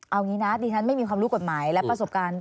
เอางี้นะดิฉันไม่มีความรู้กฎหมายและประสบการณ์